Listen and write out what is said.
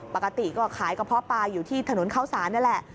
ปกติก็ขายกระเพาะปลาอยู่ที่ถนนเข้าสารนี่แหละ